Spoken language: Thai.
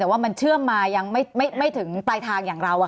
แต่ว่ามันเชื่อมมายังไม่ถึงปลายทางอย่างเรา